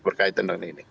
berkaitan dengan ini